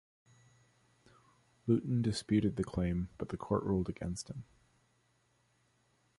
Lewton disputed the claim, but the court ruled against him.